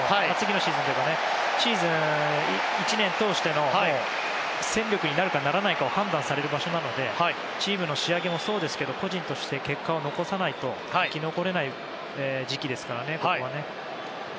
シーズンというか１年を通しての戦力になるかならないかの判断される場所なのでチームの仕上げもそうですけど個人として結果を残さないと生き残れない時期ですからね。